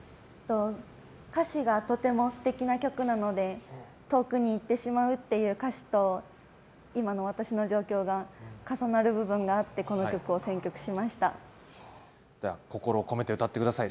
歌詞がとても素敵な曲なので遠くに行ってしまうという歌詞と今の私の状況が重なる部分があって心を込めて歌ってください。